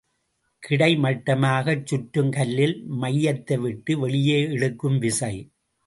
கிடைமட்டமாகச் சுற்றும் கல்லில் மையத்தைவிட்டு வெளியே இழுக்கும் விசை.